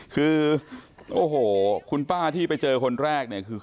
คือโอ้โหคุณป้าที่ไปเจอคนแรกเนี่ยคือ